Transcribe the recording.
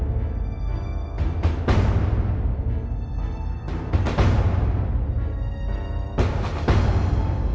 เวลาที่สุดตอนที่สุดตอนที่สุด